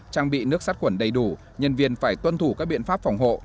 trang bị nước sát khuẩn đầy đủ nhân viên phải tuân thủ các biện pháp phòng hộ